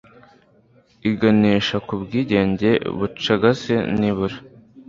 iganisha ku bwigenge bucagase nibura